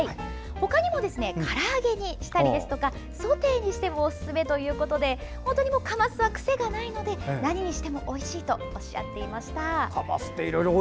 他にも、から揚げにしたりソテーにしてもおすすめということでカマスは本当に癖がないので何にしてもおいしいとおっしゃっていました。